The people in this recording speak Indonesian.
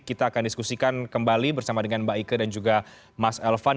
kita akan diskusikan kembali bersama dengan mbak ike dan juga mas elvan